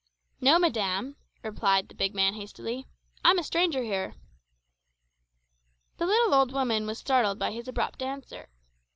"No, madam," replied the big man hastily; "I'm a stranger here." The little old woman was startled by his abrupt answer.